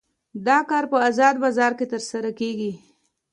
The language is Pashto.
دا کار په ازاد بازار کې ترسره کیږي.